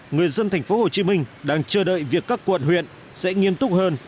người dân thành phố hồ chí minh đang chờ đợi việc các quận huyện sẽ nghiêm túc hơn